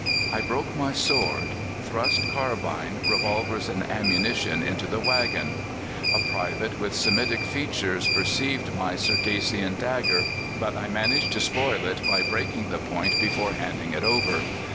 I broke my sword, thrust carbine, revolvers, and ammunition into the waggon. A private with Semitic features perceived my Circassian dagger, but I managed to spoil it by breaking the point before handing it over.